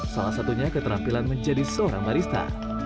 salah satunya keterampilan menjadi seorang barista